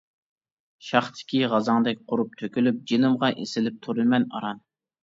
شاختىكى غازاڭدەك قۇرۇپ، تۆكۈلۈپ، جېنىمغا ئېسىلىپ تۇرىمەن ئاران.